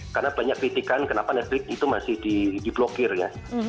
karena banyak kritikan kenapa netflix itu masih di blokir ya